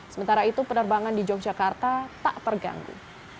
sementara itu penerbangan di yogyakarta tak terganggu